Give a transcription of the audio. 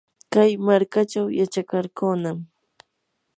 kay markachaw yachakarqunam.